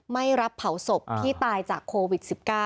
ไม่รับเผาศพที่ตายจากโควิด๑๙